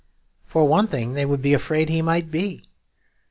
For one thing, they would be afraid that he might be.